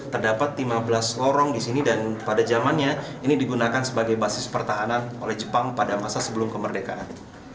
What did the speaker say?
terdapat lima belas lorong di sini dan pada zamannya ini digunakan sebagai basis pertahanan oleh jepang pada masa sebelum kemerdekaan